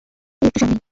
এই একটু সামনেই।